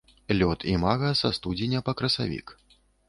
Лёт імага са студзеня па красавік.